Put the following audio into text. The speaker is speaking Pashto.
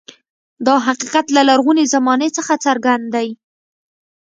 دا حقیقت له لرغونې زمانې څخه څرګند دی.